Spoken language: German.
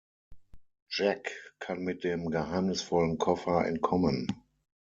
Jack kann mit dem geheimnisvollen Koffer entkommen.